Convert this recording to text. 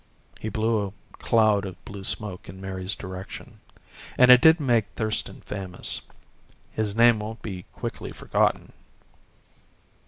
He blew a cloud of blue smoke in Mary's direction. "And it did make Thurston famous. His name won't be quickly forgotten."